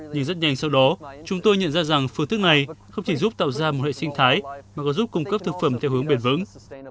nhưng rất nhanh sau đó chúng tôi nhận ra rằng phương thức này không chỉ giúp tạo ra một hệ sinh thái mà có giúp cung cấp thực phẩm theo hướng bền vững